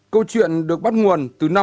câu chuyện được bắt nguồn từ năm hai nghìn tám